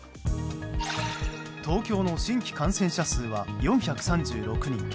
東京の新規感染者数は４３６人。